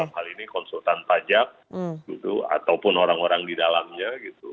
hal ini konsultan pajak ataupun orang orang di dalamnya gitu